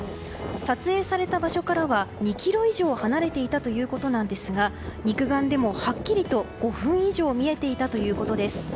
撮影された場所からは２ｋｍ以上離れていたということですが肉眼でもはっきりと５分以上見えていたということです。